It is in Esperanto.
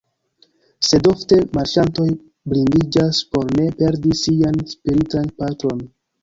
Sed ofte marŝantoj blindiĝas por ne perdi sian spiritan patron.